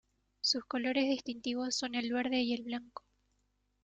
Sus colores distintivos son el verde y el blanco.